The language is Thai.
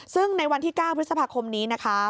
ซึ่งในวันที่๙พฤษภาคมนี้นะคะ